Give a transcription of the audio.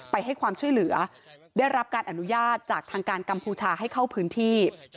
ให้ความช่วยเหลือได้รับการอนุญาตจากทางการกัมพูชาให้เข้าพื้นที่